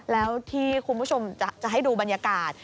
แล้วที่คุณผู้ชมจะให้ดูบรรยากาศ